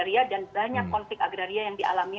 dan banyak konflik agraria yang dialami